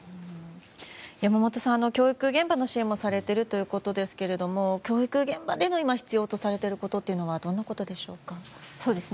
山本さんは教育現場の支援もされているということですが教育現場で今、必要とされていることというのはどういうことでしょうか。